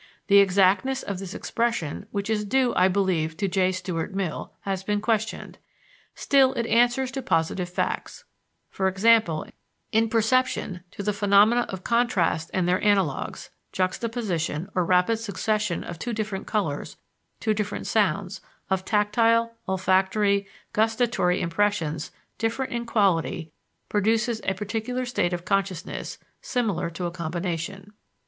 The exactness of this expression, which is due, I believe, to J. Stuart Mill, has been questioned. Still it answers to positive facts; for example, in perception, to the phenomena of contrast and their analogues; juxtaposition or rapid succession of two different colors, two different sounds, of tactile, olfactory, gustatory impressions different in quality, produces a particular state of consciousness, similar to a combination.